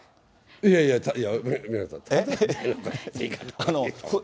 いやいやいやいや。